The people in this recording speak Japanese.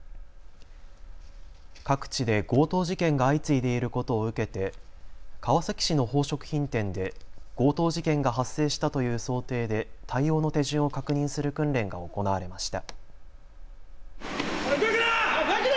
各地で強盗事件が相次いでいることを受けて川崎市の宝飾品店で強盗事件が発生したという想定で対応の手順を確認する訓練が行われました。